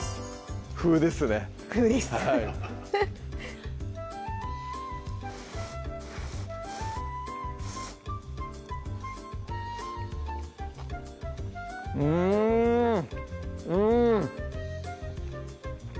「風」ですね「風」ですうんうん！